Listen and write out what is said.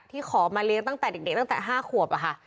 ขอมาเลี้ยงตั้งแต่เด็กตั้งแต่๕ขวบค่ะ